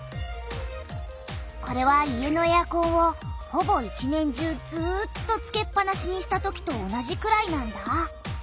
これは家のエアコンをほぼ一年中ずっとつけっぱなしにしたときと同じくらいなんだ。